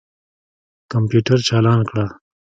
کمپیوټر چالان کړه.